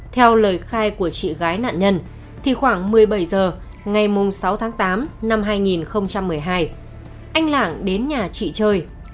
theo lời khai của chị gái nạn nhân thì khoảng một mươi bảy h ngày sáu tháng tám năm hai nghìn một mươi hai anh lạng đến nhà chị chơi